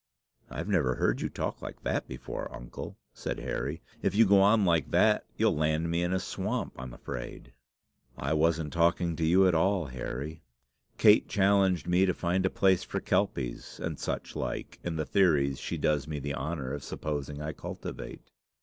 "I never heard you talk like that before, uncle," said Harry. "If you go on like that, you'll land me in a swamp, I'm afraid." "I wasn't talking to you at all, Harry. Kate challenged me to find a place for kelpies, and such like, in the theories she does me the honour of supposing I cultivate."